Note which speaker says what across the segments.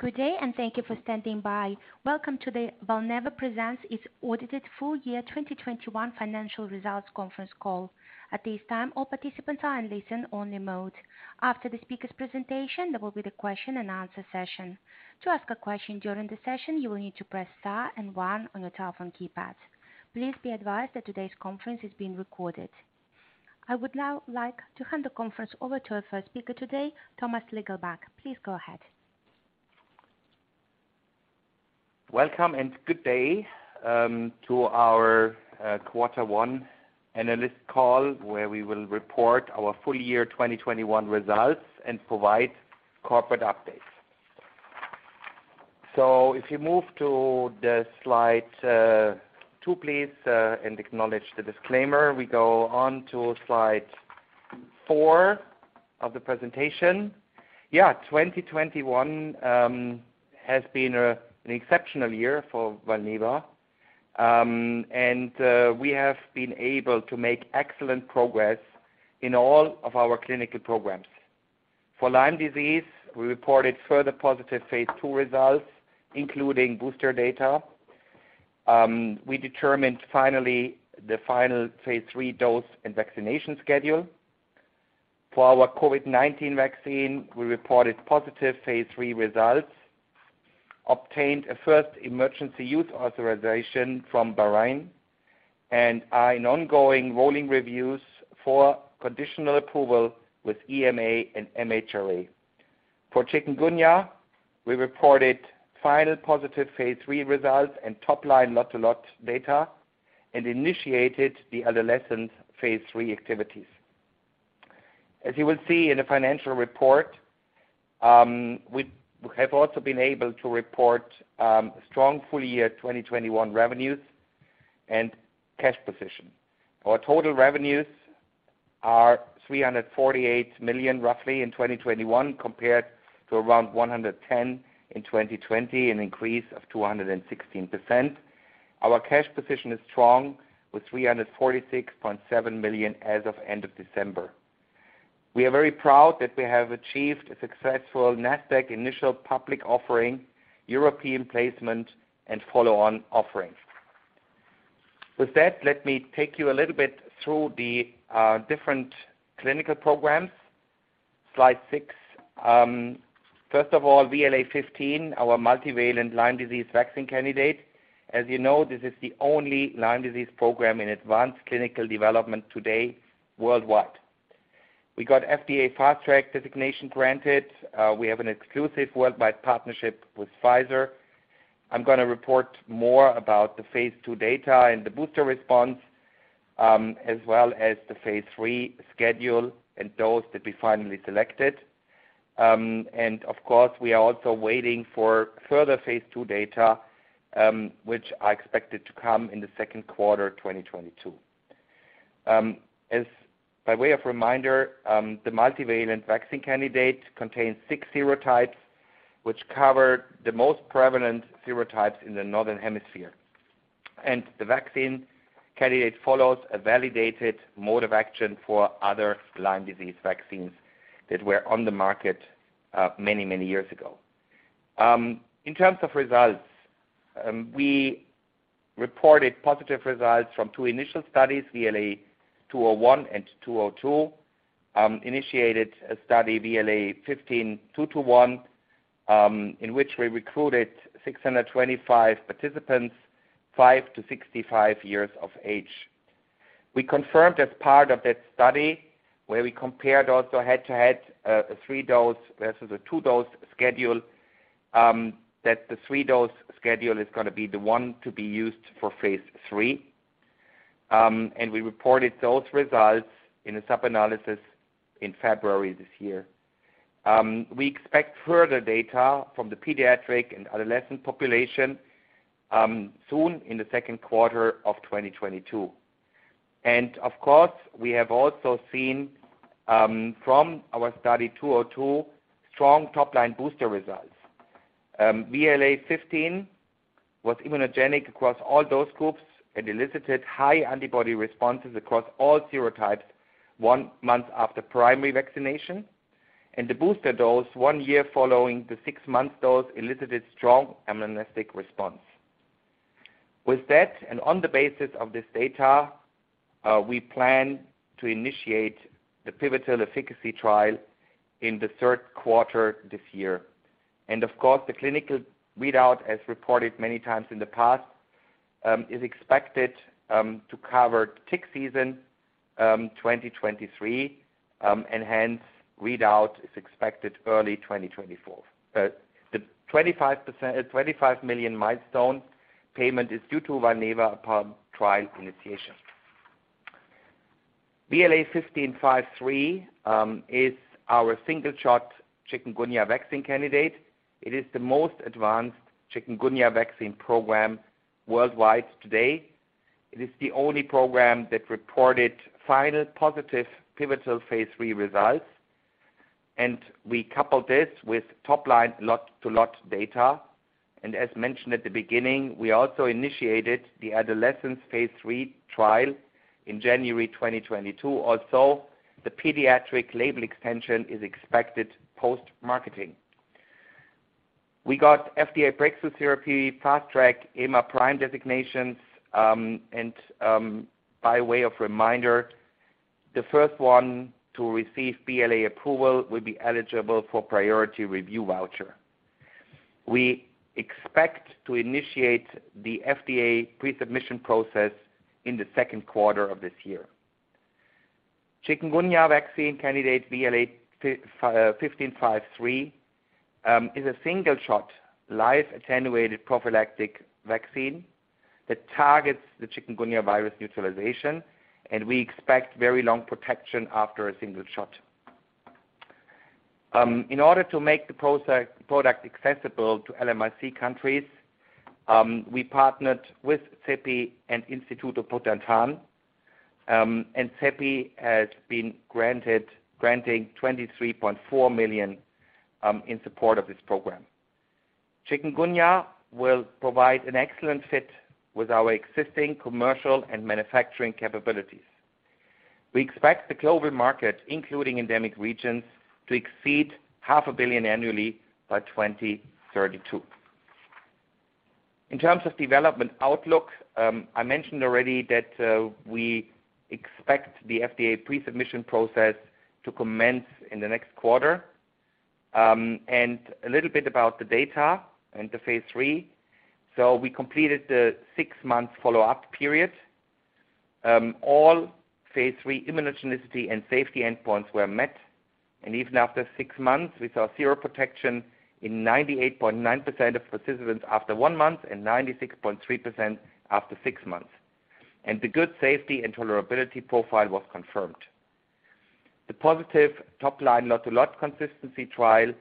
Speaker 1: Good day and thank you for standing by. Welcome to the Valneva presents its audited full year 2021 financial results conference call. At this time all participants are in listen only mode. After the speaker's presentation there will be the question and answer session. To ask a question during the session, you will need to press star and one on your telephone keypads. Please be advised that today's conference is being recorded. I would now like to hand the conference over to our first speaker today, Thomas Lingelbach. Please go ahead.
Speaker 2: Welcome and good day to our quarter one analyst call, where we will report our full year 2021 results and provide corporate updates. If you move to the slide two, please, and acknowledge the disclaimer. We go on to slide four of the presentation. 2021 has been an exceptional year for Valneva, and we have been able to make excellent progress in all of our clinical programs. For Lyme disease, we reported further positive phase II results, including booster data. We determined finally the final phase III dose and vaccination schedule. For our COVID-19 vaccine, we reported positive phase III results, obtained a first emergency use authorization from Bahrain and are in ongoing rolling reviews for conditional approval with EMA and MHRA. For chikungunya, we reported final positive phase III results and top line lot-to-lot data and initiated the adolescent phase III activities. As you will see in the financial report, we have also been able to report strong full year 2021 revenues and cash position. Our total revenues are 348 million roughly in 2021, compared to around 110 million in 2020, an increase of 216%. Our cash position is strong with 346.7 million as of end of December. We are very proud that we have achieved a successful Nasdaq initial public offering, European placement and follow on offerings. With that, let me take you a little bit through the different clinical programs. Slide six. First of all, VLA15, our multivalent Lyme disease vaccine candidate. As you know, this is the only Lyme disease program in advanced clinical development today worldwide. We got FDA Fast Track designation granted. We have an exclusive worldwide partnership with Pfizer. I'm going to report more about the phase II data and the booster response, as well as the phase III schedule and those that we finally selected. Of course, we are also waiting for further phase II data, which I expected to come in the second quarter 2022. As by way of reminder, the multivalent vaccine candidate contains six serotypes which cover the most prevalent serotypes in the northern hemisphere. The vaccine candidate follows a validated mode of action for other Lyme disease vaccines that were on the market, many, many years ago. In terms of results, we reported positive results from two initial studies, VLA2001 and VLA2002. We initiated a study, VLA15-221, in which we recruited 625 participants five to 65 years of age. We confirmed as part of that study where we compared also head-to-head a 3-dose versus a 2-dose schedule that the 3-dose schedule is going to be the one to be used for phase III. We reported those results in a sub-analysis in February this year. We expect further data from the pediatric and adolescent population soon in the second quarter of 2022. Of course, we have also seen from our study VLA2002 strong top-line booster results. VLA15 was immunogenic across all dose groups and elicited high antibody responses across all serotypes one month after primary vaccination and the booster dose one year following the six-month dose elicited strong immunogenic response. With that and on the basis of this data, we plan to initiate the pivotal efficacy trial in the third quarter this year. Of course the clinical readout as reported many times in the past is expected to cover tick season 2023 and hence readout is expected early 2024. The $25 million milestone payment is due to Valneva upon trial initiation. VLA1553 is our single shot chikungunya vaccine candidate. It is the most advanced chikungunya vaccine program worldwide today. It is the only program that reported final positive pivotal phase III results and we coupled this with top line lot-to-lot data. As mentioned at the beginning, we also initiated the adolescents phase III trial in January 2022. Also, the pediatric label extension is expected post-marketing. We got FDA Breakthrough Therapy, Fast Track, EMA PRIME designations, and by way of reminder, the first one to receive BLA approval will be eligible for priority review voucher. We expect to initiate the FDA pre-submission process in the second quarter of this year. Chikungunya vaccine candidate VLA1553 is a single shot, live attenuated prophylactic vaccine that targets the chikungunya virus neutralization, and we expect very long protection after a single shot. In order to make our product accessible to LMIC countries, we partnered with CEPI and Instituto Butantan, and CEPI has been granting 23.4 million in support of this program. Chikungunya will provide an excellent fit with our existing commercial and manufacturing capabilities. We expect the global market, including endemic regions, to exceed 0.5 billion annually by 2032. In terms of development outlook, I mentioned already that we expect the FDA pre-submission process to commence in the next quarter. And a little bit about the data and the phase III. We completed the six-month follow-up period. All phase III immunogenicity and safety endpoints were met, and even after six months, we saw seroprotection in 98.9% of participants after one month and 96.3% after six months. The good safety and tolerability profile was confirmed. The positive top line lot to lot consistency trial,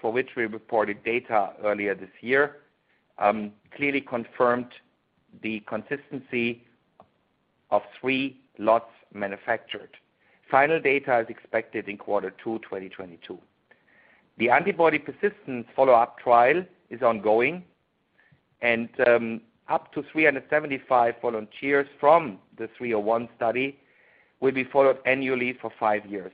Speaker 2: for which we reported data earlier this year, clearly confirmed the consistency of three lots manufactured. Final data is expected in quarter two, 2022. The antibody persistence follow-up trial is ongoing, and up to 375 volunteers from the 301 study will be followed annually for five years.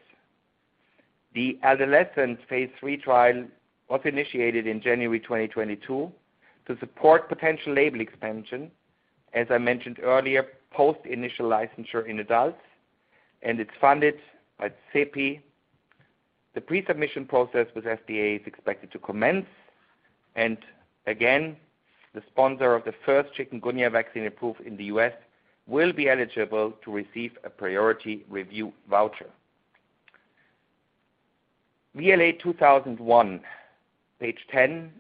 Speaker 2: The adolescent phase III trial was initiated in January 2022 to support potential label expansion, as I mentioned earlier, post initial licensure in adults, and it's funded by CEPI. The pre-submission process with FDA is expected to commence, and again, the sponsor of the first chikungunya vaccine approved in the U.S. will be eligible to receive a priority review voucher. VLA2001, page 10,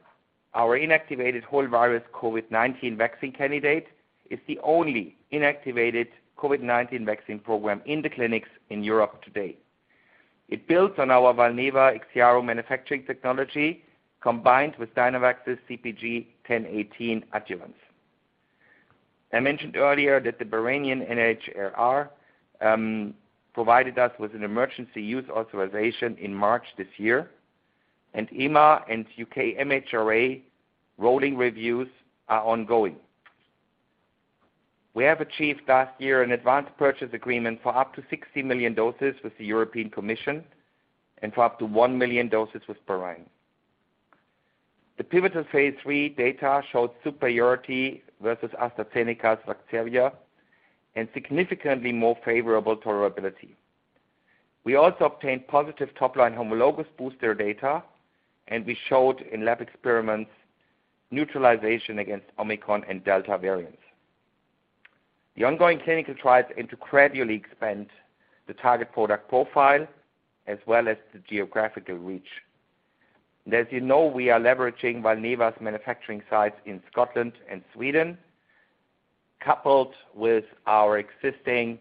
Speaker 2: our inactivated whole virus COVID-19 vaccine candidate, is the only inactivated COVID-19 vaccine program in the clinics in Europe today. It builds on our Valneva IXIARO manufacturing technology combined with Dynavax's CpG 1018 adjuvant. I mentioned earlier that the Bahraini NHRA provided us with an emergency use authorization in March this year, and EMA and U.K. MHRA rolling reviews are ongoing. We have achieved last year an advance purchase agreement for up to 60 million doses with the European Commission and for up to 1 million doses with Bahrain. The pivotal phase III data showed superiority versus AstraZeneca's Vaxzevria and significantly more favorable tolerability. We also obtained positive top-line homologous booster data, and we showed in lab experiments neutralization against Omicron and Delta variants. The ongoing clinical trials and to gradually expand the target product profile as well as the geographical reach. As you know, we are leveraging Valneva's manufacturing sites in Scotland and Sweden, coupled with our existing,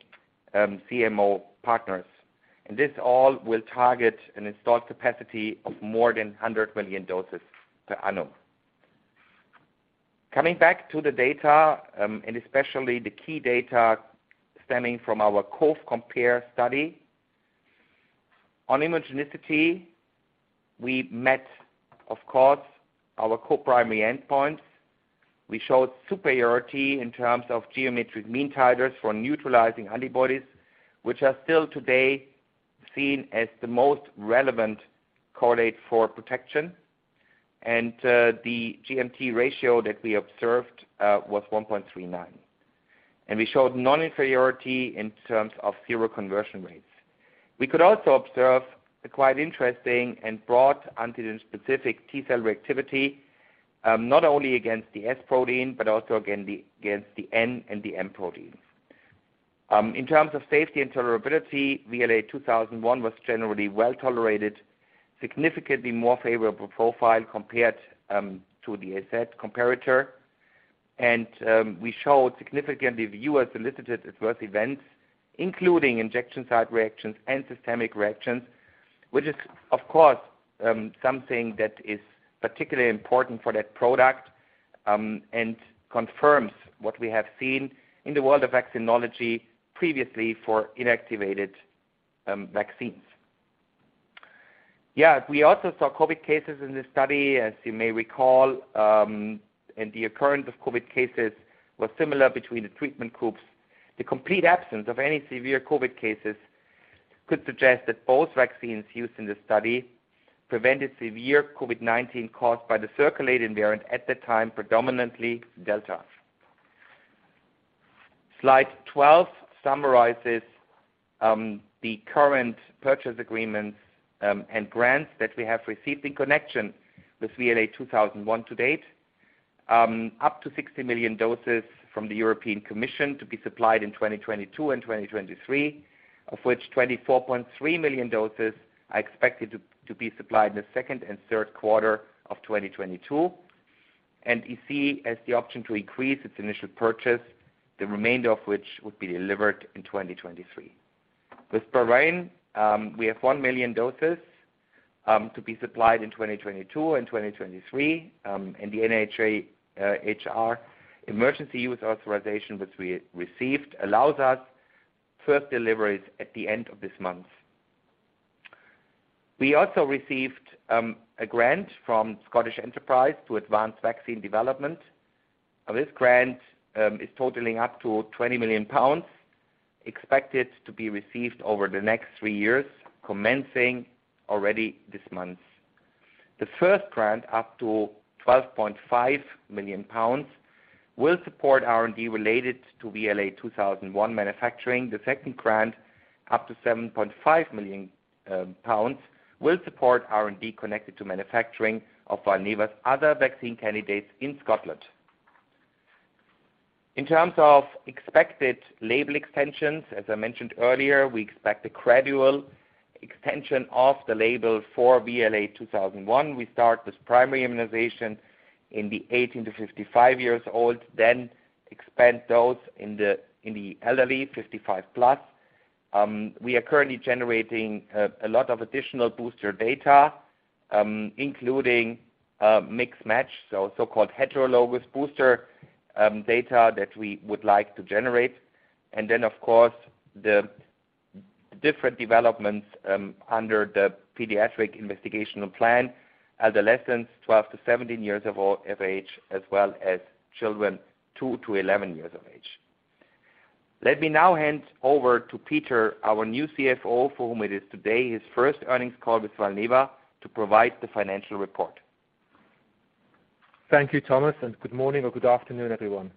Speaker 2: CMO partners. This all will target an installed capacity of more than 100 million doses per annum. Coming back to the data, and especially the key data stemming from our Cov-Compare study. On immunogenicity, we met, of course, our co-primary endpoints. We showed superiority in terms of geometric mean titers for neutralizing antibodies, which are still today seen as the most relevant correlate for protection. The GMT ratio that we observed was 1.39. We showed non-inferiority in terms of seroconversion rates. We could also observe a quite interesting and broad antigen-specific T-cell reactivity, not only against the S protein, but also against the N and the M proteins. In terms of safety and tolerability, VLA2001 was generally well-tolerated, significantly more favorable profile compared to the AZ comparator. We showed significantly fewer solicited adverse events, including injection site reactions and systemic reactions, which is, of course, something that is particularly important for that product, and confirms what we have seen in the world of vaccinology previously for inactivated vaccines. Yeah. We also saw COVID cases in this study, as you may recall, and the occurrence of COVID cases was similar between the treatment groups. The complete absence of any severe COVID cases could suggest that both vaccines used in the study prevented severe COVID-19 caused by the circulating variant at the time, predominantly Delta. Slide 12 summarizes the current purchase agreements and grants that we have received in connection with VLA2001 to date, up to 60 million doses from the European Commission to be supplied in 2022 and 2023, of which 24.3 million doses are expected to be supplied in the second and third quarter of 2022. EC has the option to increase its initial purchase, the remainder of which would be delivered in 2023. With Bahrain, we have 1 million doses to be supplied in 2022 and 2023, and the NHRA Emergency Use Authorization, which we received, allows us first deliveries at the end of this month. We also received a grant from Scottish Enterprise to advance vaccine development. This grant is totaling up to 20 million pounds, expected to be received over the next three years, commencing already this month. The first grant, up to 12.5 million pounds, will support R&D related to VLA2001 manufacturing. The second grant, up to 7.5 million pounds, will support R&D connected to manufacturing of Valneva's other vaccine candidates in Scotland. In terms of expected label extensions, as I mentioned earlier, we expect a gradual extension of the label for VLA2001. We start with primary immunization in the 18 to 55-year-olds, then expand to those in the elderly, 55=. We are currently generating a lot of additional booster data, including mix-and-match, so-called heterologous booster data that we would like to generate. Then, of course, the different developments under the pediatric investigational plan, adolescents 12-17 years of age, as well as children two to 11 years of age. Let me now hand over to Peter, our new CFO, for whom it is today his first earnings call with Valneva, to provide the financial report.
Speaker 3: Thank you, Thomas, and good morning or good afternoon, everyone.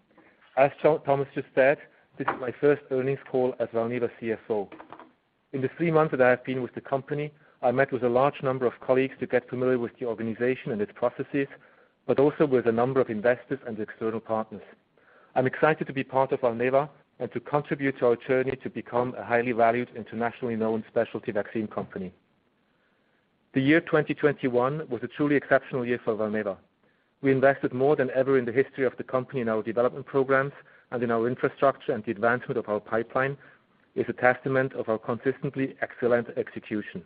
Speaker 3: As Thomas just said, this is my first earnings call as Valneva CFO. In the three months that I have been with the company, I met with a large number of colleagues to get familiar with the organization and its processes, but also with a number of investors and external partners. I'm excited to be part of Valneva and to contribute to our journey to become a highly valued, internationally known specialty vaccine company. The year 2021 was a truly exceptional year for Valneva. We invested more than ever in the history of the company in our development programs and in our infrastructure, and the advancement of our pipeline is a testament to our consistently excellent execution.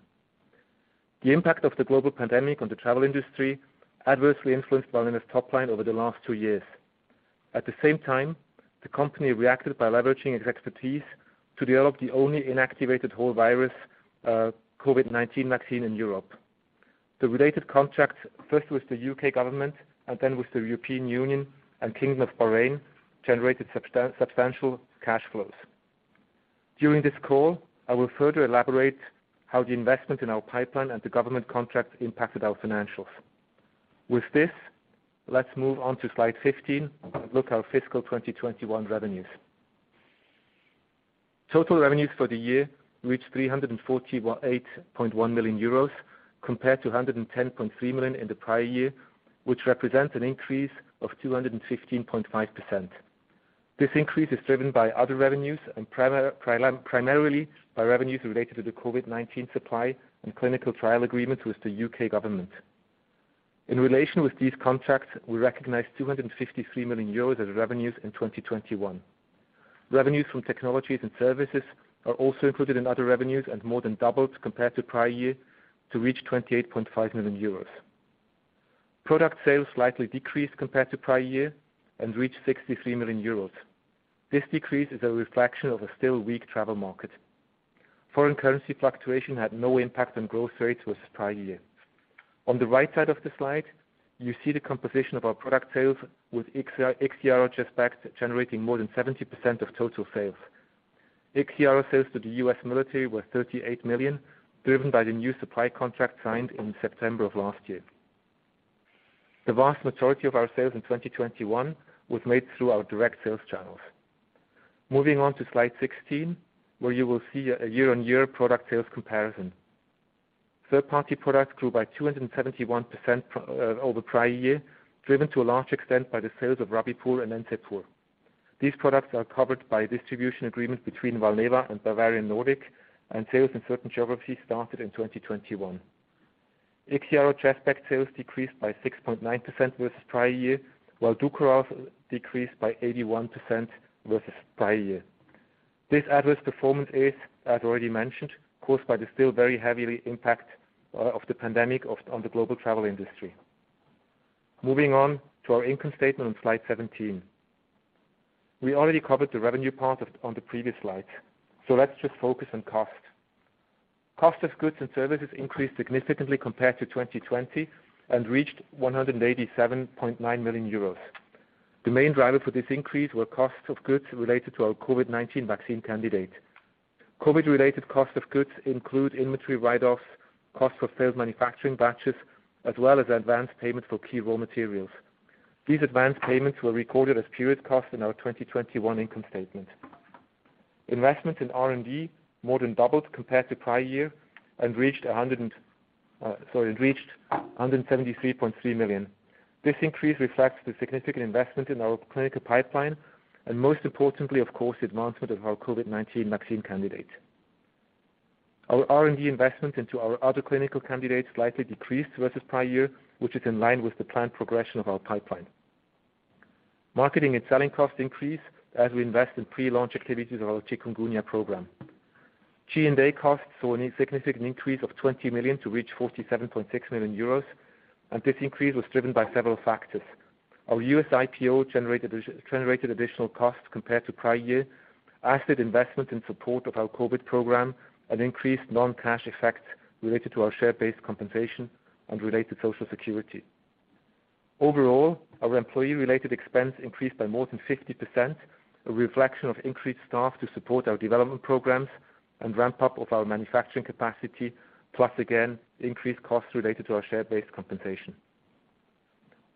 Speaker 3: The impact of the global pandemic on the travel industry adversely influenced Valneva's top line over the last two years. At the same time, the company reacted by leveraging its expertise to develop the only inactivated whole virus COVID-19 vaccine in Europe. The related contract, first with the U.K. government and then with the European Union and Kingdom of Bahrain, generated substantial cash flows. During this call, I will further elaborate how the investment in our pipeline and the government contract impacted our financials. With this, let's move on to slide 15 and look at our fiscal 2021 revenues. Total revenues for the year reached 348.1 million euros compared to 110.3 million in the prior year, which represents an increase of 215.5%. This increase is driven by other revenues and primarily by revenues related to the COVID-19 supply and clinical trial agreement with the U.K. government. In relation with these contracts, we recognized 253 million euros as revenues in 2021. Revenues from technologies and services are also included in other revenues and more than doubled compared to prior year to reach 28.5 million euros. Product sales slightly decreased compared to prior year and reached 63 million euros. This decrease is a reflection of a still weak travel market. Foreign currency fluctuation had no impact on growth rates with prior year. On the right side of the slide, you see the composition of our product sales with IXIARO/JESPECT generating more than 70% of total sales. IXIARO sales to the U.S. military were 38 million, driven by the new supply contract signed in September of last year. The vast majority of our sales in 2021 was made through our direct sales channels. Moving on to slide 16, where you will see a year-on-year product sales comparison. Third-party products grew by 271% over prior year, driven to a large extent by the sales of Rabipur and Encepur. These products are covered by a distribution agreement between Valneva and Bavarian Nordic, and sales in certain geographies started in 2021. IXIARO/JESPECT sales decreased by 6.9% versus prior year, while DUKORAL decreased by 81% versus prior year. This adverse performance is, as already mentioned, caused by the still very heavy impact of the pandemic on the global travel industry. Moving on to our income statement on slide 17. We already covered the revenue part on the previous slide, so let's just focus on cost. Cost of goods and services increased significantly compared to 2020 and reached 187.9 million euros. The main driver for this increase were costs of goods related to our COVID-19 vaccine candidate. COVID-related cost of goods include inventory write-offs, costs for failed manufacturing batches, as well as advanced payment for key raw materials. These advanced payments were recorded as period costs in our 2021 income statement. Investment in R&D more than doubled compared to prior year and reached 173.3 million. This increase reflects the significant investment in our clinical pipeline and most importantly, of course, the advancement of our COVID-19 vaccine candidate. Our R&D investment into our other clinical candidates slightly decreased versus prior year, which is in line with the planned progression of our pipeline. Marketing and selling costs increased as we invest in pre-launch activities of our Chikungunya program. G&A costs saw a significant increase of 20 million to reach 47.6 million euros, and this increase was driven by several factors. Our U.S. IPO generated additional costs compared to prior year, asset investment in support of our COVID program, an increased non-cash effect related to our share-based compensation and related Social Security. Overall, our employee-related expense increased by more than 50%, a reflection of increased staff to support our development programs and ramp up of our manufacturing capacity, plus again, increased costs related to our share-based compensation.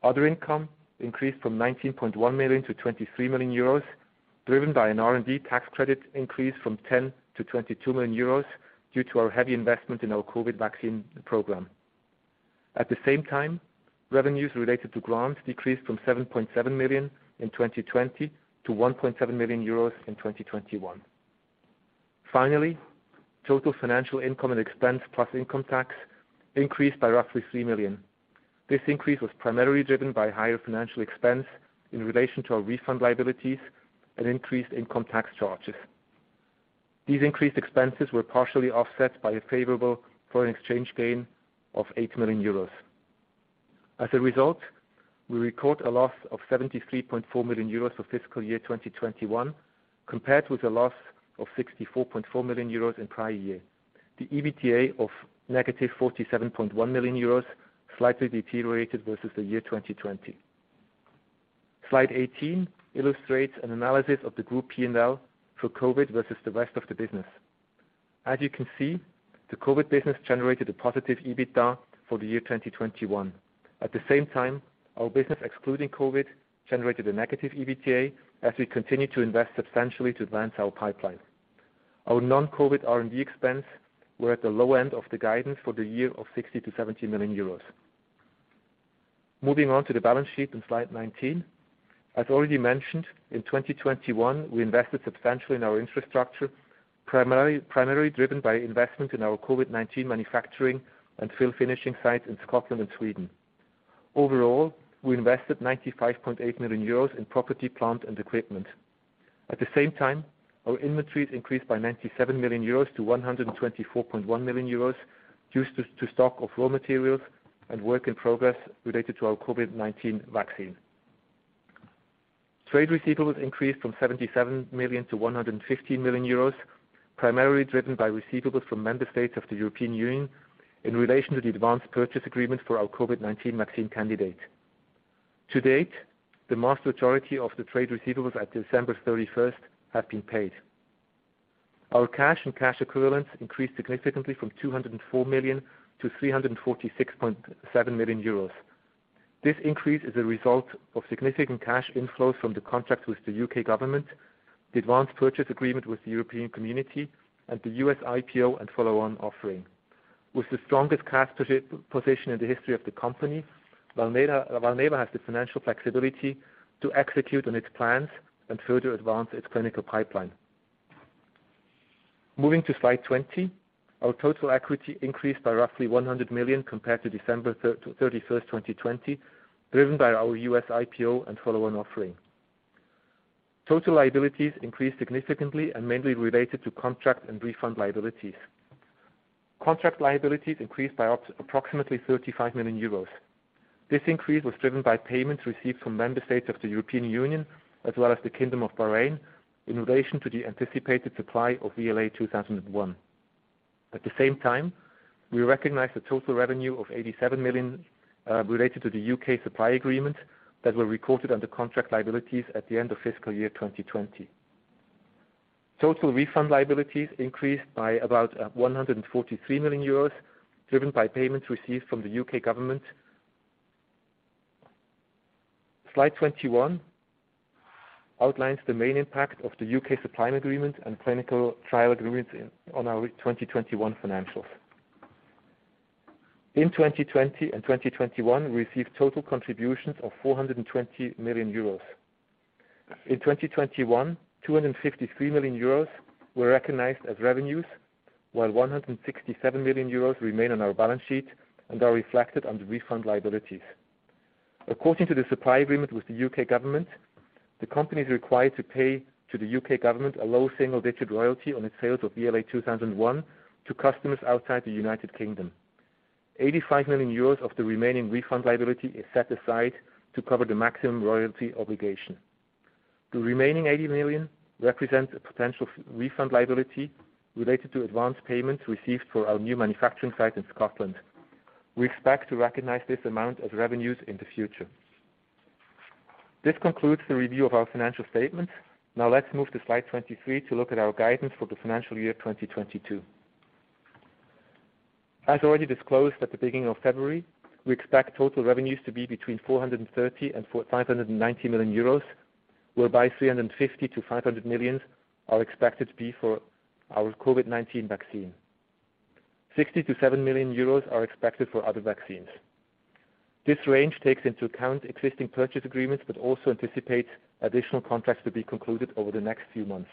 Speaker 3: Other income increased from 19.1 million-23 million euros, driven by an R&D tax credit increase from 10 to 22 million euros due to our heavy investment in our COVID vaccine program. At the same time, revenues related to grants decreased from 7.7 million in 2020 to 1.7 million euros in 2021. Finally, total financial income and expense plus income tax increased by roughly 3 million. This increase was primarily driven by higher financial expense in relation to our refund liabilities and increased income tax charges. These increased expenses were partially offset by a favorable foreign exchange gain of 8 million euros. As a result, we record a loss of 73.4 million euros for fiscal year 2021 compared with a loss of 64.4 million euros in prior year. The EBITDA of -47.1 million euros slightly deteriorated versus the year 2020. Slide 18 illustrates an analysis of the group P&L for COVID versus the rest of the business. As you can see, the COVID business generated a positive EBITDA for the year 2021. At the same time, our business excluding COVID generated a negative EBITDA as we continue to invest substantially to advance our pipeline. Our non-COVID R&D expense were at the low end of the guidance for the year of 60 million-70 million euros. Moving on to the balance sheet in slide 19. As already mentioned, in 2021, we invested substantially in our infrastructure, primarily driven by investment in our COVID-19 manufacturing and fill finishing sites in Scotland and Sweden. Overall, we invested 95.8 million euros in property, plant, and equipment. At the same time, our inventories increased by 97 million euros to 124.1 million euros due to stock of raw materials and work in progress related to our COVID-19 vaccine. Trade receivables increased from 77 million-115 million euros, primarily driven by receivables from member states of the European Union in relation to the advanced purchase agreement for our COVID-19 vaccine candidate. To date, the vast majority of the trade receivables at December 31 have been paid. Our cash and cash equivalents increased significantly from 204 million-346.7 million euros. This increase is a result of significant cash inflows from the contract with the U.K. government, the advanced purchase agreement with the European Commission, and the U.S. IPO and follow-on offering. With the strongest cash position in the history of the company, Valneva has the financial flexibility to execute on its plans and further advance its clinical pipeline. Moving to slide 20, our total equity increased by roughly 100 million compared to December 31st, 2020, driven by our U.S. IPO and follow-on offering. Total liabilities increased significantly and mainly related to contract and refund liabilities. Contract liabilities increased by approximately 35 million euros. This increase was driven by payments received from member states of the European Union, as well as the Kingdom of Bahrain, in relation to the anticipated supply of VLA2001. At the same time, we recognize the total revenue of 87 million related to the U.K. supply agreement that were recorded under contract liabilities at the end of fiscal year 2020. Total refund liabilities increased by about 143 million euros, driven by payments received from the U.K. government. Slide 21 outlines the main impact of the U.K. supply agreement and clinical trial agreements in on our 2021 financials. In 2020 and 2021, we received total contributions of 420 million euros. In 2021, 253 million euros were recognized as revenues, while 167 million euros remain on our balance sheet and are reflected under refund liabilities. According to the supply agreement with the U.K. government, the company is required to pay to the U.K. government a low single-digit royalty on its sales of VLA2001 to customers outside the United Kingdom. 85 million euros of the remaining refund liability is set aside to cover the maximum royalty obligation. The remaining 80 million represents a potential refund liability related to advance payments received for our new manufacturing site in Scotland. We expect to recognize this amount as revenues in the future. This concludes the review of our financial statement. Now let's move to slide 23 to look at our guidance for the financial year 2022. As already disclosed at the beginning of February, we expect total revenues to be between 430 million and 590 million euros, whereby 350 million-500 million are expected to be for our COVID-19 vaccine. 60 million-70 million euros are expected for other vaccines. This range takes into account existing purchase agreements but also anticipates additional contracts to be concluded over the next few months.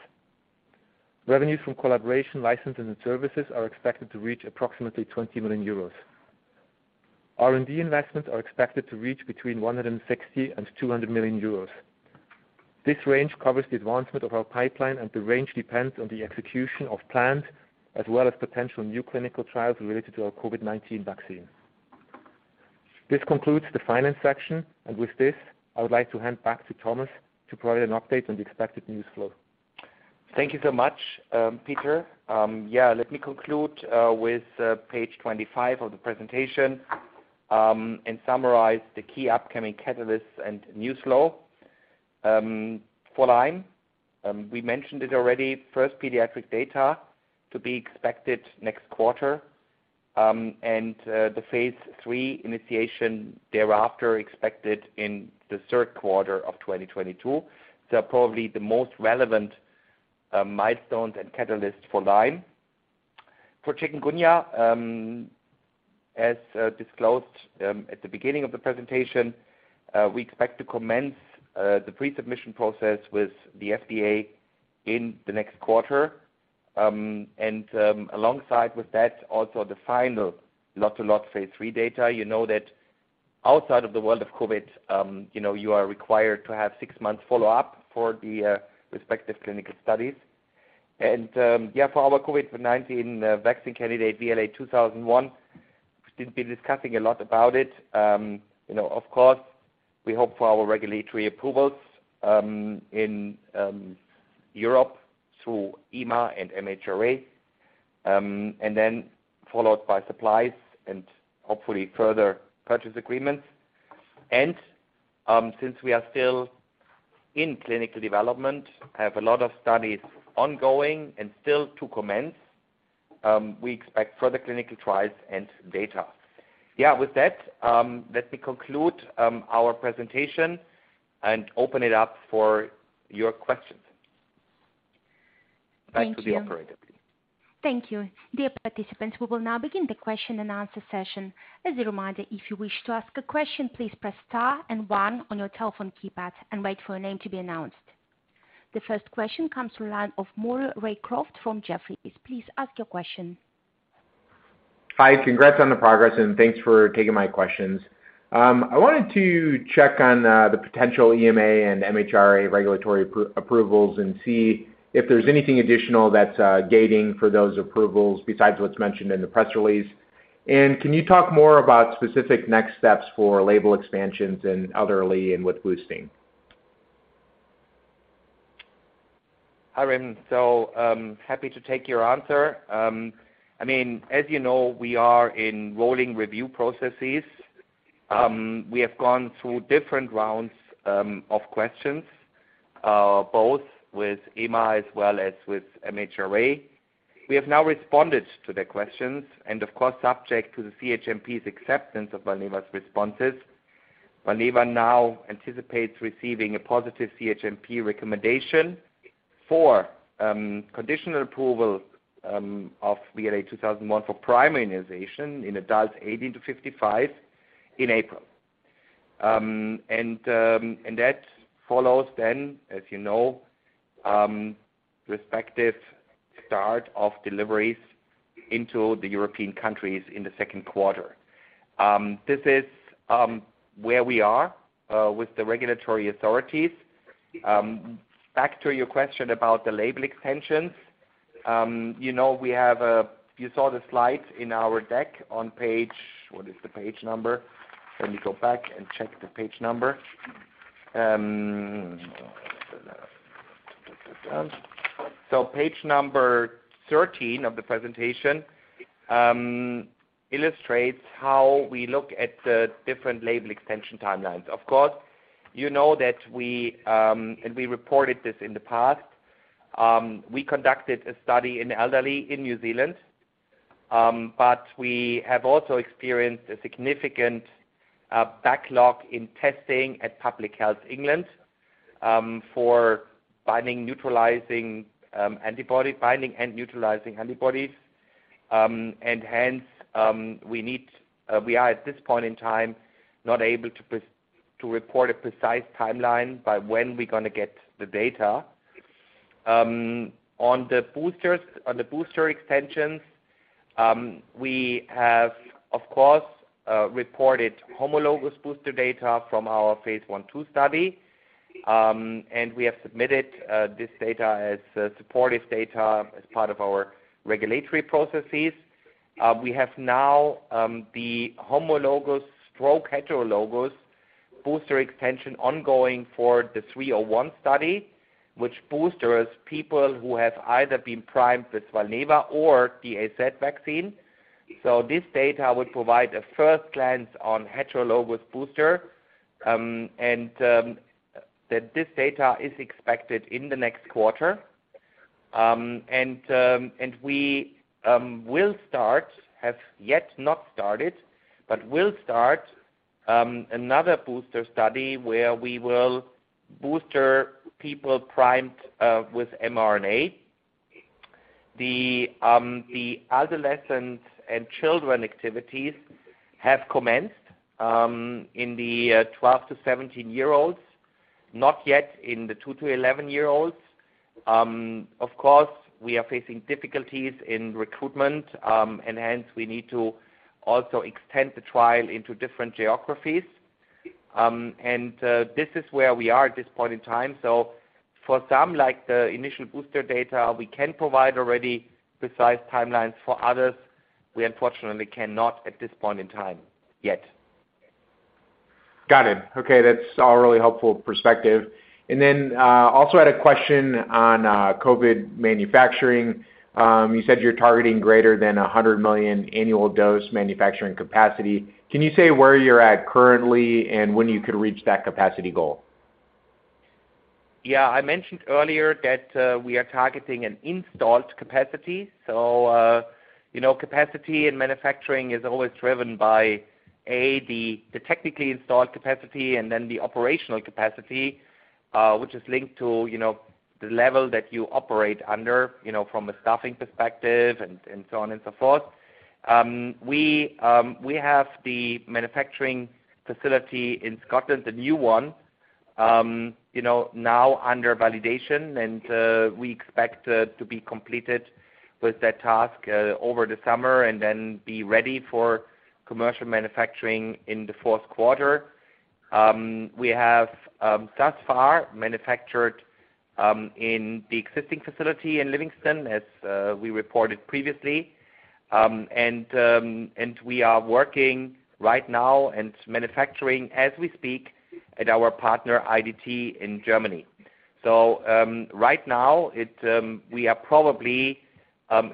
Speaker 3: Revenues from collaboration, licenses, and services are expected to reach approximately 20 million euros. R&D investments are expected to reach between 160 million and 200 million euros. This range covers the advancement of our pipeline, and the range depends on the execution of plans as well as potential new clinical trials related to our COVID-19 vaccine. This concludes the finance section, and with this, I would like to hand back to Thomas to provide an update on the expected news flow.
Speaker 2: Thank you so much, Peter. Yeah, let me conclude with page 25 of the presentation and summarize the key upcoming catalysts and news flow. For Lyme, we mentioned it already. First pediatric data to be expected next quarter, and the phase III initiation thereafter expected in the third quarter of 2022. They're probably the most relevant milestones and catalysts for Lyme. For Chikungunya, as disclosed at the beginning of the presentation, we expect to commence the pre-submission process with the FDA in the next quarter. And alongside with that, also the final lot-to-lot phase III data. You know that outside of the world of COVID, you know, you are required to have six months follow-up for the respective clinical studies. Yeah, for our COVID-19 vaccine candidate, VLA2001, we've been discussing a lot about it. You know, of course, we hope for our regulatory approvals in Europe through EMA and MHRA, and then followed by supplies and hopefully further purchase agreements. Since we are still in clinical development, have a lot of studies ongoing and still to commence, we expect further clinical trials and data. Yeah. With that, let me conclude our presentation and open it up for your questions.
Speaker 3: Thank you.
Speaker 2: Back to the operator, please.
Speaker 1: Thank you. Dear participants, we will now begin the question and answer session. As a reminder, if you wish to ask a question, please press star and one on your telephone keypad and wait for your name to be announced. The first question comes from the line of Maury Raycroft from Jefferies. Please ask your question.
Speaker 4: Hi. Congrats on the progress, and thanks for taking my questions. I wanted to check on the potential EMA and MHRA regulatory approvals and see if there's anything additional that's gating for those approvals besides what's mentioned in the press release. Can you talk more about specific next steps for label expansions in elderly and with boosting?
Speaker 2: Hi, Morgan. Happy to take your answer. I mean, as you know, we are in rolling review processes. We have gone through different rounds of questions both with EMA as well as with MHRA. We have now responded to their questions, and of course, subject to the CHMP's acceptance of Valneva's responses, Valneva now anticipates receiving a positive CHMP recommendation for conditional approval of VLA2001 for prime immunization in adults 18 to 55 in April. That follows then, as you know, respective start of deliveries into the European countries in the second quarter. This is where we are with the regulatory authorities. Back to your question about the label extensions, you know, you saw the slide in our deck on page. What is the page number? Let me go back and check the page number. Put that down. Page number 13 of the presentation illustrates how we look at the different label extension timelines. Of course, you know that we reported this in the past. We conducted a study in elderly in New Zealand, but we have also experienced a significant backlog in testing at Public Health England for binding and neutralizing antibodies. Hence, we are, at this point in time, not able to present a precise timeline by when we're gonna get the data. On the booster extensions, we have, of course, reported homologous booster data from our phase I/II study, and we have submitted this data as supportive data as part of our regulatory processes. We have now the homologous and heterologous booster extension ongoing for the 301 study, which boosts people who have either been primed with Valneva or the AZ vaccine. This data would provide a first glance on heterologous booster, and we have not yet started, but will start, another booster study where we will boost people primed with mRNA. The adolescents and children activities have commenced in the 12 to 17-year-olds, not yet in the two to 11-year-olds. Of course, we are facing difficulties in recruitment, and hence we need to also extend the trial into different geographies. This is where we are at this point in time. For some, like the initial booster data, we can provide already precise timelines. For others, we unfortunately cannot at this point in time yet.
Speaker 4: Got it. Okay, that's all really helpful perspective. I also had a question on COVID manufacturing. You said you're targeting greater than 100 million annual dose manufacturing capacity. Can you say where you're at currently and when you could reach that capacity goal?
Speaker 2: Yeah, I mentioned earlier that we are targeting an installed capacity. You know, capacity in manufacturing is always driven by A, the technically installed capacity and then the operational capacity, which is linked to you know, the level that you operate under, you know, from a staffing perspective and so on and so forth. We have the manufacturing facility in Scotland, the new one, you know, now under validation, and we expect to be completed with that task over the summer and then be ready for commercial manufacturing in the fourth quarter. We have thus far manufactured in the existing facility in Livingston as we reported previously. We are working right now and manufacturing as we speak at our partner IDT in Germany. Right now, we are probably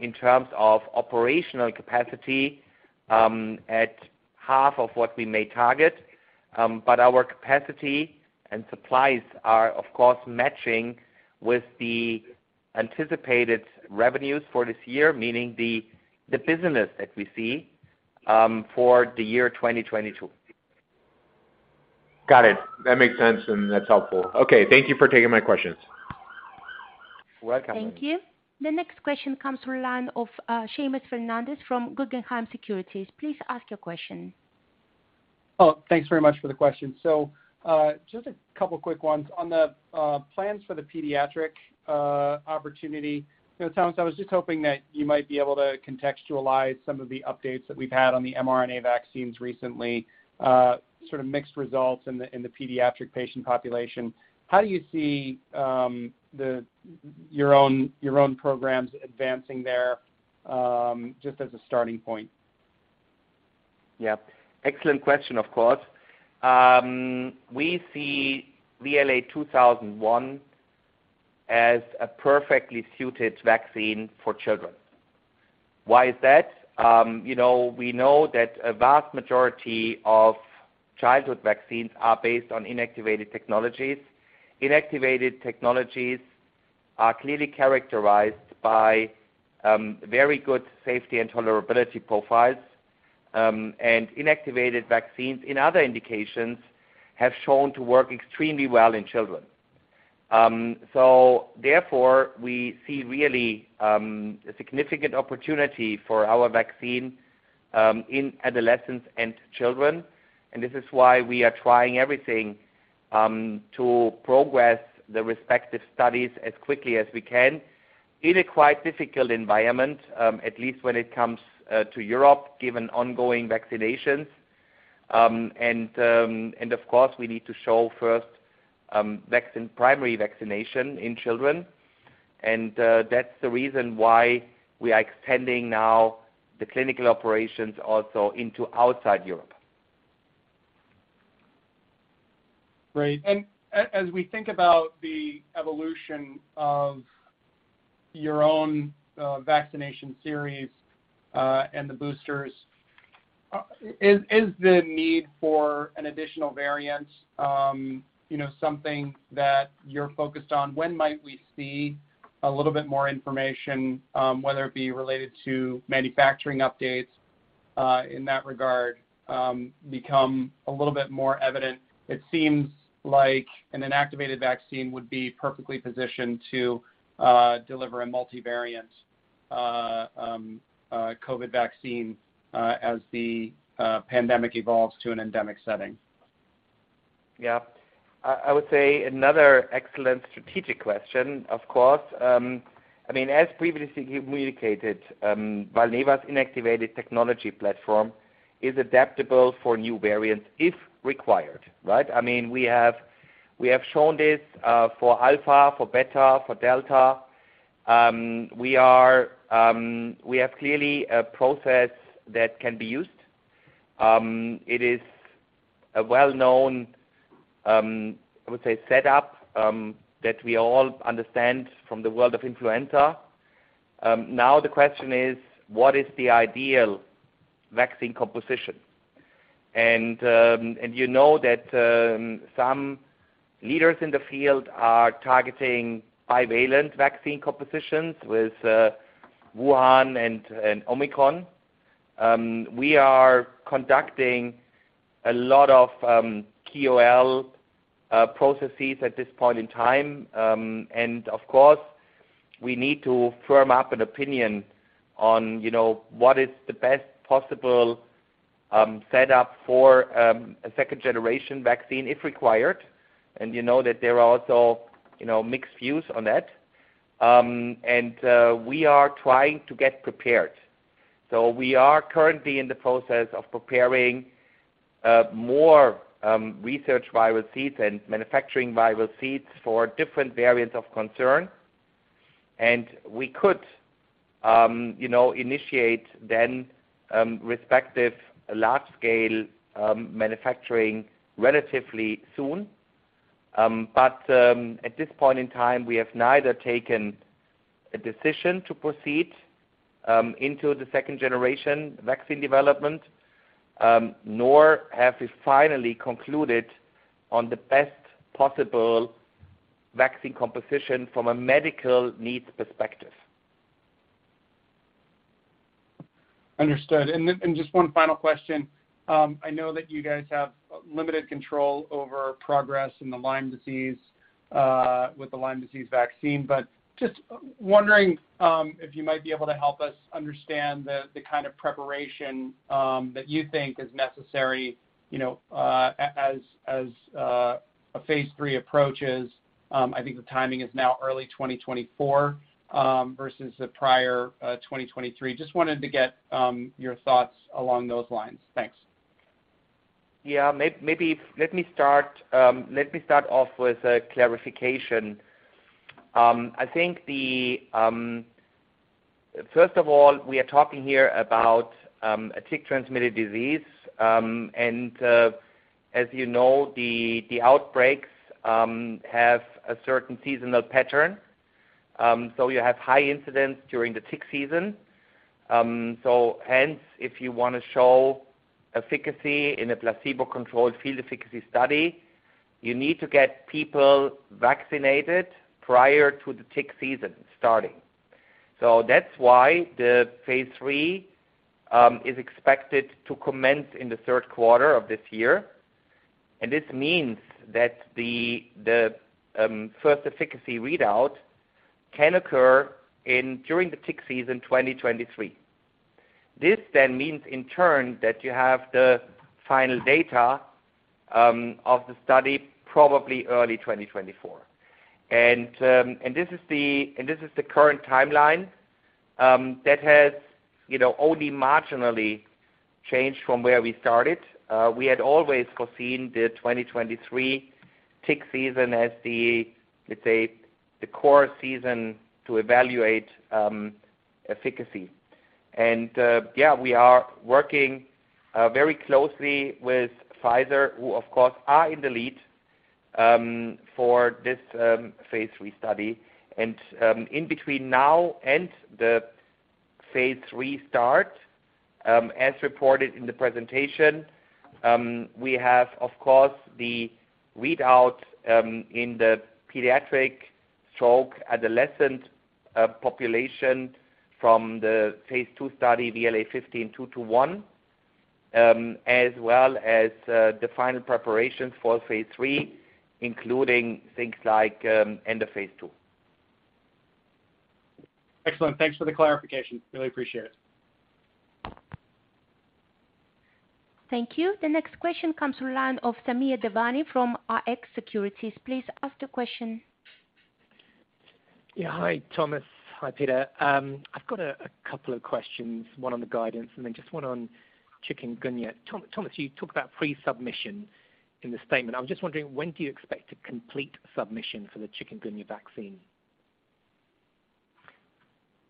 Speaker 2: in terms of operational capacity at half of what we may target. Our capacity and supplies are of course matching with the anticipated revenues for this year, meaning the business that we see for the year 2022.
Speaker 4: Got it. That makes sense, and that's helpful. Okay, thank you for taking my questions.
Speaker 2: You're welcome.
Speaker 1: Thank you. The next question comes from the line of Seamus Fernandez from Guggenheim Securities. Please ask your question.
Speaker 5: Oh, thanks very much for the question. Just a couple quick ones. On the plans for the pediatric opportunity, you know, Thomas, I was just hoping that you might be able to contextualize some of the updates that we've had on the mRNA vaccines recently, sort of mixed results in the pediatric patient population. How do you see your own programs advancing there, just as a starting point?
Speaker 2: Yeah. Excellent question, of course. We see VLA2001 as a perfectly suited vaccine for children. Why is that? You know, we know that a vast majority of childhood vaccines are based on inactivated technologies. Inactivated technologies are clearly characterized by very good safety and tolerability profiles, and inactivated vaccines in other indications have shown to work extremely well in children. Therefore, we see really a significant opportunity for our vaccine in adolescents and children. This is why we are trying everything to progress the respective studies as quickly as we can in a quite difficult environment, at least when it comes to Europe, given ongoing vaccinations. Of course, we need to show first primary vaccination in children. That's the reason why we are extending now the clinical operations also into outside Europe.
Speaker 5: Great. As we think about the evolution of your own vaccination series and the boosters, is the need for an additional variant you know something that you're focused on? When might we see a little bit more information whether it be related to manufacturing updates in that regard become a little bit more evident? It seems like an inactivated vaccine would be perfectly positioned to deliver a multivariant COVID vaccine as the pandemic evolves to an endemic setting.
Speaker 2: Yeah. I would say another excellent strategic question, of course, I mean, as previously communicated, Valneva's inactivated technology platform is adaptable for new variants if required, right? I mean, we have shown this for Alpha, for Beta, for Delta. We have clearly a process that can be used. It is a well-known, I would say, set up that we all understand from the world of influenza. Now the question is what is the ideal vaccine composition? You know that some leaders in the field are targeting bivalent vaccine compositions with Wuhan and Omicron. We are conducting a lot of QC processes at this point in time. Of course, we need to firm up an opinion on, you know, what is the best possible setup for a second generation vaccine, if required. You know that there are also, you know, mixed views on that. We are trying to get prepared. We are currently in the process of preparing more research viral seeds and manufacturing viral seeds for different variants of concern. We could, you know, initiate then respective large scale manufacturing relatively soon. At this point in time, we have neither taken a decision to proceed into the second generation vaccine development nor have we finally concluded on the best possible vaccine composition from a medical needs perspective.
Speaker 5: Understood. Just one final question. I know that you guys have limited control over progress in the Lyme disease with the Lyme disease vaccine, but just wondering if you might be able to help us understand the kind of preparation that you think is necessary, you know, as a phase III approaches. I think the timing is now early 2024 versus the prior 2023. Just wanted to get your thoughts along those lines. Thanks.
Speaker 2: Maybe let me start off with a clarification. I think the first of all, we are talking here about a tick-transmitted disease. As you know, the outbreaks have a certain seasonal pattern. You have high incidence during the tick season. Hence, if you wanna show efficacy in a placebo-controlled field efficacy study, you need to get people vaccinated prior to the tick season starting. That's why the phase III is expected to commence in the third quarter of this year. This means that the first efficacy readout can occur during the tick season 2023. This means in turn that you have the final data of the study probably early 2024. This is the current timeline that has, you know, only marginally changed from where we started. We had always foreseen the 2023 tick season as the, let's say, the core season to evaluate efficacy. We are working very closely with Pfizer, who of course are in the lead for this phase III study. In between now and the phase III start, as reported in the presentation, we have of course the readout in the pediatric and adolescent population from the phase II study, VLA15-221, as well as the final preparations for phase III, including things like end of phase II.
Speaker 5: Excellent. Thanks for the clarification. Really appreciate it.
Speaker 1: Thank you. The next question comes from the line of Samir Devani from Rx Securities. Please ask the question.
Speaker 6: Hi, Thomas. Hi, Peter. I've got a couple of questions, one on the guidance and then just one on chikungunya. Thomas, you talked about pre-submission in the statement. I'm just wondering when do you expect to complete submission for the chikungunya vaccine?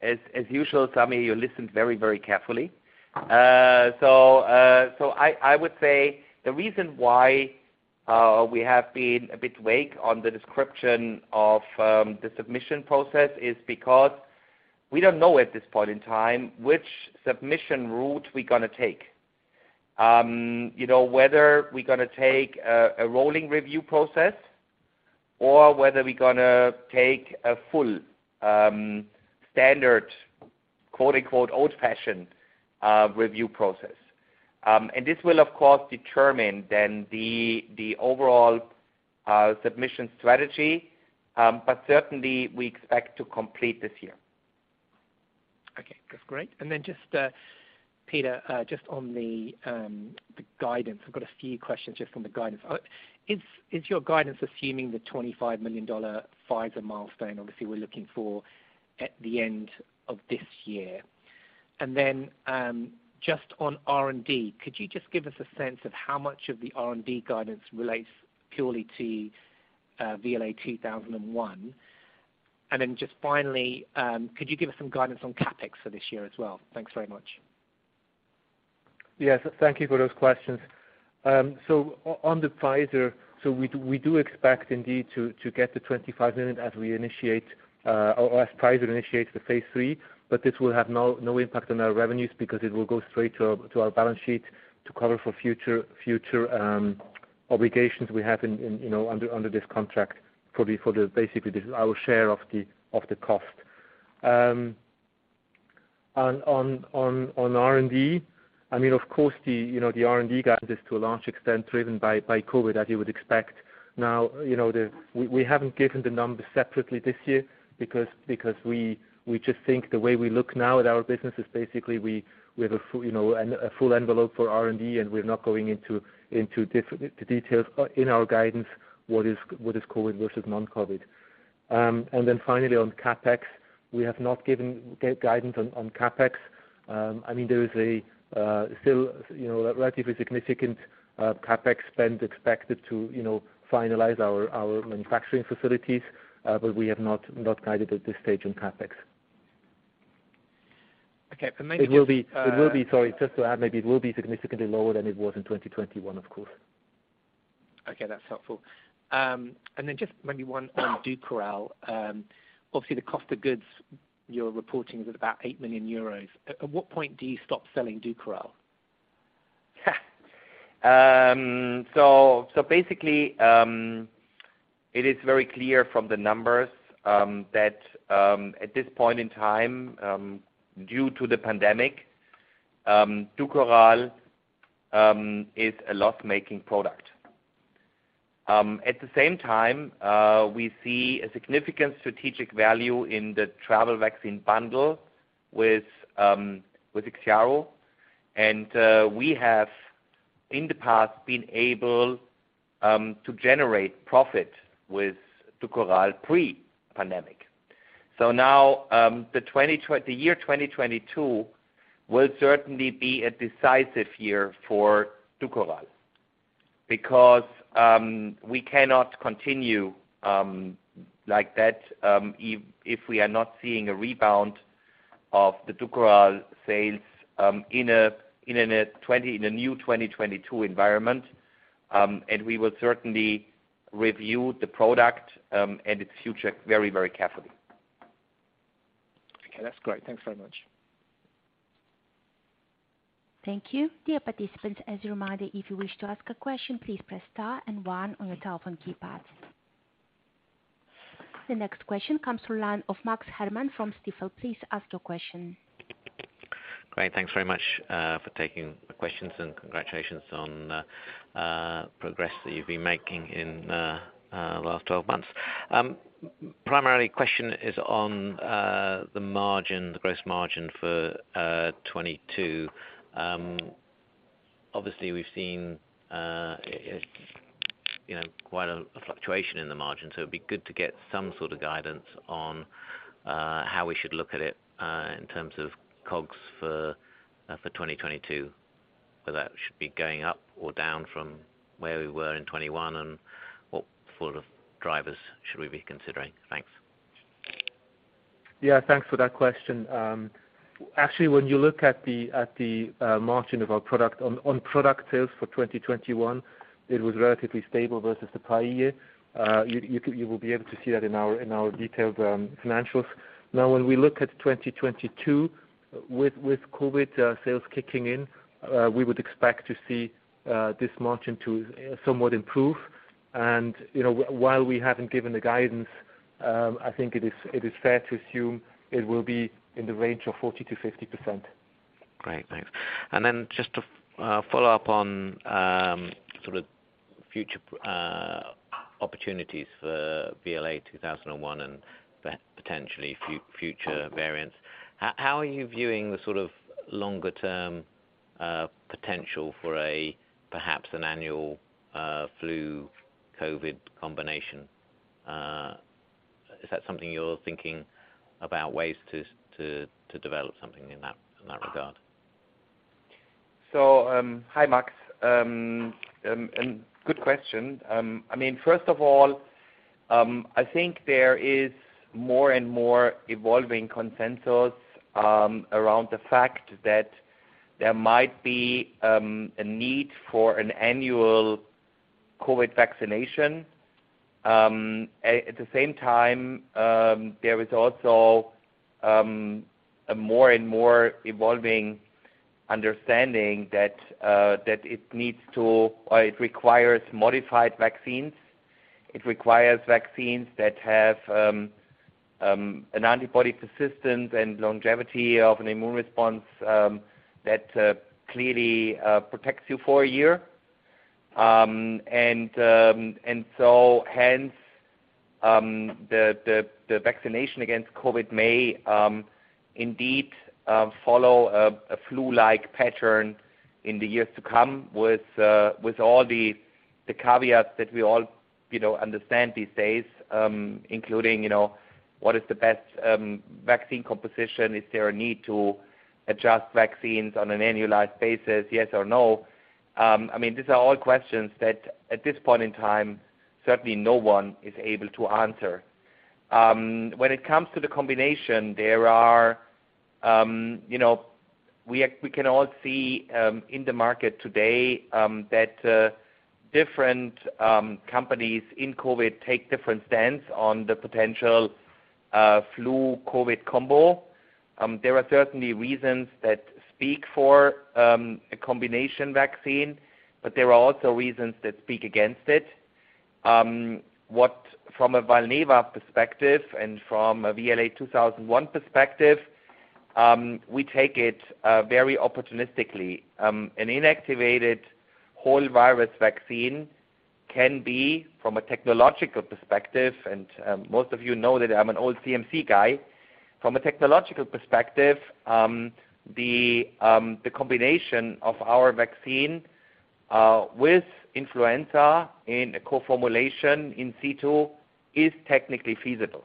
Speaker 2: As usual, Sami, you listened very, very carefully. I would say the reason why we have been a bit vague on the description of the submission process is because we don't know at this point in time which submission route we're gonna take. You know, whether we're gonna take a rolling review process or whether we're gonna take a full standard, quote-unquote, "old-fashioned," review process. This will of course determine the overall submission strategy. Certainly we expect to complete this year.
Speaker 6: That's great. Just, Peter, just on the guidance, I've got a few questions just on the guidance. Is your guidance assuming the $25 million Pfizer milestone, obviously, we're looking for at the end of this year? Just on R&D, could you just give us a sense of how much of the R&D guidance relates purely to VLA2001? Just finally, could you give us some guidance on CapEx for this year as well? Thanks very much.
Speaker 3: Yes. Thank you for those questions. So on the Pfizer, we do expect indeed to get the $25 million as we initiate or as Pfizer initiates the phase III, but this will have no impact on our revenues because it will go straight to our balance sheet to cover for future obligations we have in you know under this contract for the basically this is our share of the cost. On R&D, I mean, of course, you know, the R&D guidance is to a large extent driven by COVID, as you would expect. Now, you know, the... We haven't given the numbers separately this year because we just think the way we look now at our business is basically we have a full, you know, a full envelope for R&D, and we're not going into the details in our guidance, what is COVID versus non-COVID. Then finally on CapEx, we have not given guidance on CapEx. I mean, there is still, you know, relatively significant CapEx spend expected to, you know, finalize our manufacturing facilities, but we have not guided at this stage on CapEx.
Speaker 6: Okay. For maybe the
Speaker 3: It will be. Sorry, just to add, maybe it will be significantly lower than it was in 2021, of course.
Speaker 6: Okay. That's helpful. Just maybe one on DUKORAL. Obviously the cost of goods you're reporting is about 8 million euros. At what point do you stop selling DUKORAL?
Speaker 3: Basically, it is very clear from the numbers that at this point in time, due to the pandemic, DUKORAL is a loss-making product. At the same time, we see a significant strategic value in the travel vaccine bundle with IXIARO and we have in the past been able to generate profit with DUKORAL pre-pandemic. Now, the year 2022 will certainly be a decisive year for DUKORAL because we cannot continue like that if we are not seeing a rebound of the DUKORAL sales in a new 2022 environment. We will certainly review the product and its future very carefully.
Speaker 6: Okay. That's great. Thanks very much.
Speaker 1: Thank you. Dear participants, as a reminder, if you wish to ask a question, please press star and one on your telephone keypad. The next question comes from the line of Max Herrmann from Stifel. Please ask your question.
Speaker 7: Great. Thanks very much for taking the questions and congratulations on progress that you've been making in the last 12 months. Primarily question is on the margin, the gross margin for 2022. Obviously we've seen you know quite a fluctuation in the margin, so it'd be good to get some sort of guidance on how we should look at it in terms of costs for 2022, whether that should be going up or down from where we were in 2021 and what sort of drivers should we be considering? Thanks.
Speaker 3: Yeah. Thanks for that question. Actually, when you look at the margin of our product on product sales for 2021, it was relatively stable versus the prior year. You will be able to see that in our detailed financials. Now, when we look at 2022, with COVID sales kicking in, we would expect to see this margin somewhat improve. You know, while we haven't given the guidance, I think it is fair to assume it will be in the range of 40%-50%.
Speaker 7: Great. Thanks. Just to follow up on sort of future opportunities for VLA2001 and potentially future variants. How are you viewing the sort of longer term potential for a perhaps an annual flu COVID combination? Is that something you're thinking about ways to develop something in that regard?
Speaker 3: Hi, Max. Good question. I mean, first of all, I think there is more and more evolving consensus around the fact that there might be a need for an annual COVID vaccination. At the same time, there is also a more and more evolving understanding that it needs to or it requires modified vaccines. It requires vaccines that have an antibody persistence and longevity of an immune response that clearly protects you for a year.
Speaker 2: The vaccination against COVID may indeed follow a flu-like pattern in the years to come with all the caveats that we all, you know, understand these days, including, you know, what is the best vaccine composition? Is there a need to adjust vaccines on an annualized basis, yes or no? I mean, these are all questions that at this point in time, certainly no one is able to answer. When it comes to the combination, there are, you know, we can all see in the market today that different companies in COVID take different stance on the potential flu-COVID combo. There are certainly reasons that speak for a combination vaccine, but there are also reasons that speak against it. What from a Valneva perspective and from a VLA2001 perspective, we take it very opportunistically. An inactivated whole virus vaccine can be from a technological perspective, and most of you know that I'm an old CMC guy. From a technological perspective, the combination of our vaccine with influenza in a co-formulation in situ is technically feasible.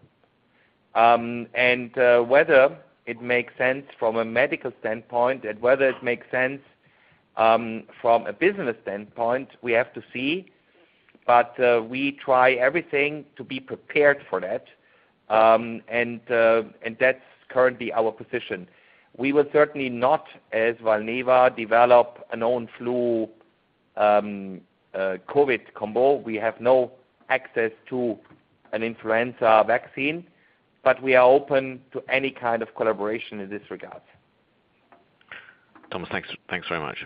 Speaker 2: Whether it makes sense from a medical standpoint and whether it makes sense from a business standpoint, we have to see. We try everything to be prepared for that, and that's currently our position. We will certainly not, as Valneva, develop a known flu COVID combo. We have no access to an influenza vaccine, but we are open to any kind of collaboration in this regard.
Speaker 7: Thomas, thanks very much.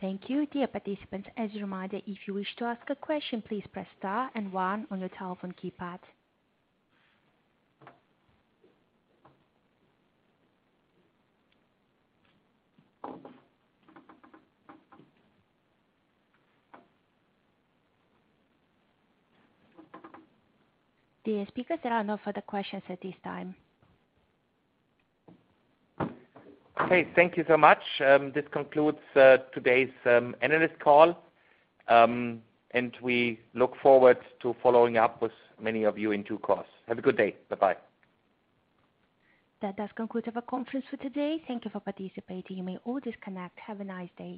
Speaker 1: Thank you. Dear participants, as a reminder, if you wish to ask a question, please press star and one on your telephone keypad. Dear speakers, there are no further questions at this time.
Speaker 2: Okay. Thank you so much. This concludes today's analyst call, and we look forward to following up with many of you in due course. Have a good day. Bye-bye.
Speaker 1: That does conclude our conference for today. Thank you for participating. You may all disconnect. Have a nice day.